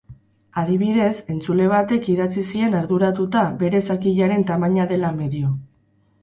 Adibidez, entzule batek idatzi zien arduratuta bere zakilaren tamaina dela medio.